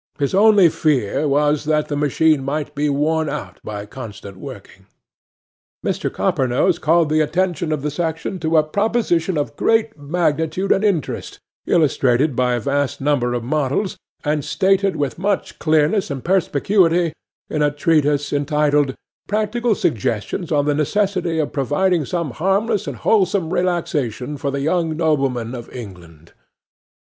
His only fear was that the machine might be worn out by constant working. 'MR. COPPERNOSE called the attention of the section to a proposition of great magnitude and interest, illustrated by a vast number of models, and stated with much clearness and perspicuity in a treatise entitled "Practical Suggestions on the necessity of providing some harmless and wholesome relaxation for the young noblemen of England."